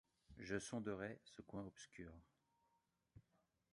Je sonderai ce coin obscur.